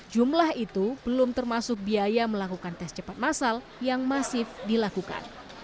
jumlah itu belum termasuk biaya melakukan tes cepat masal yang masif dilakukan